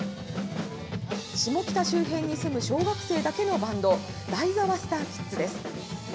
シモキタ周辺に住む小学生だけのバンド、代沢スターキッズです。